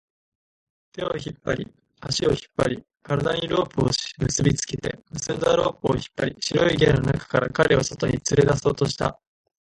手を引っ張り、足を引っ張り、体にロープを結びつけて、結んだロープを引っ張り、白いゲルの中から彼を外に連れ出そうとした